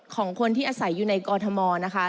ของคนที่อาศัยอยู่ในกอทมนะคะ